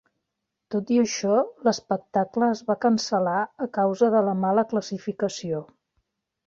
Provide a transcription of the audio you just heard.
Tot i això, l'espectacle es va cancel·lar a causa de la mala classificació.